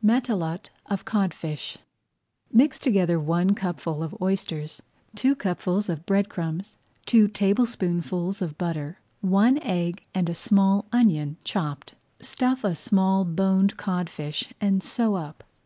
MATELOTE OF CODFISH Mix together one cupful of oysters, two cupfuls of bread crumbs, two tablespoonfuls of butter, one egg, and a small onion, chopped. Stuff a small boned codfish and sew up.